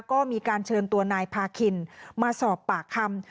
ก็มีการเชิญตัวนายพาคินมาสอบปากคำ